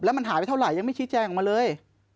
มันหายไปเท่าไหร่ยังไม่ชี้แจงออกมาเลย